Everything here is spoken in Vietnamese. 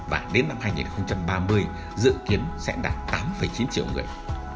và đến năm hai nghìn ba mươi dự kiến sẽ đạt tám chín triệu người